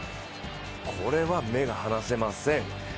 これは目が離せません。